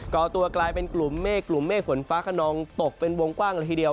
ก่อตัวกลายเป็นกลุ่มเมฆกลุ่มเมฆฝนฟ้าขนองตกเป็นวงกว้างละทีเดียว